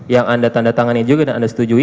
yang anda tanda tangan ini juga yang anda setujui